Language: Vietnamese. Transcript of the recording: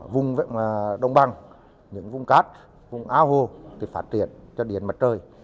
vùng đông băng vùng cát vùng ao hô thì phát triển cho điện mặt trời